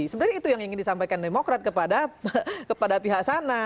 sebenarnya itu yang ingin disampaikan demokrat kepada pihak sana